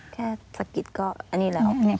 สะกิดก็อันนี้แล้ว